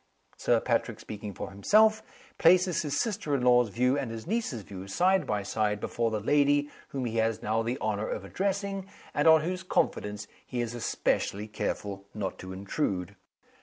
Sir Patrick, speaking for himself, places his sister in law's view and his niece's view, side by side, before the lady whom he has now the honor of addressing, and on whose confidence he is especially careful not to intrude.